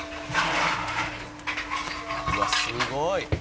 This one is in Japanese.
「うわっすごい！」